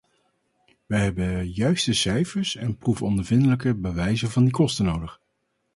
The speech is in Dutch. Wij hebben juiste cijfers en proefondervindelijke bewijzen van die kosten nodig.